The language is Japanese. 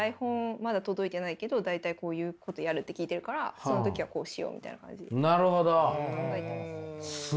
まだ届いてないけど大体こういうことやるって聞いてるからその時はこうしようみたいな感じで考えてます。